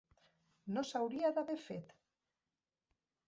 No s'hauria d'haver fet.